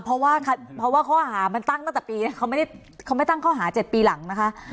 เพราะว่าเพราะว่าข้อหามันตั้งตั้งแต่ปีเขาไม่ตั้งข้อหา๗ปีหลังนะคะ